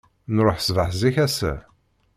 Nṛuḥ ssbeḥ zik ass-a.